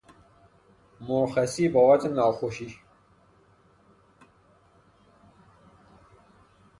مرخصی بابت ناخوشی